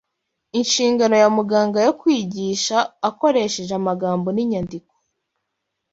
Inshingano ya muganga yo kwigisha akoresheje amagambo n’inyandiko